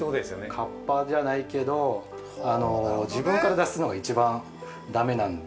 ◆カッパじゃないけど自分から出すのが一番だめなんで。